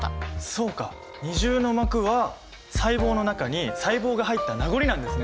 そうか二重の膜は細胞の中に細胞が入ったなごりなんですね。